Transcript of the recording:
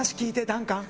ダンカン。